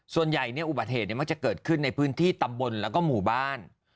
ส่วนใหญ่อุบัติเหตุมักจะเกิดขึ้นในพื้นที่ตำบลแล้วก็หมู่บ้าน